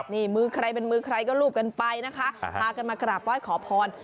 นี่มือใครเป็นมือใครก็ลูบกันไปนะคะพากันมากราบไหว้ขอพร